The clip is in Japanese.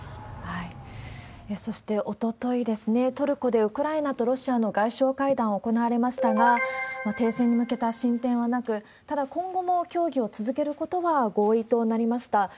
そして、おとといですね、トルコでウクライナとロシアの外相会談が行われましたが、停戦に向けた進展はなく、ただ、今後も協議を続けることは合意となりました。